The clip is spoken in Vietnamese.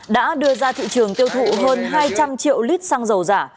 đã đưa ra thị trường tiêu thụ hơn hai trăm linh triệu lít xăng dầu giả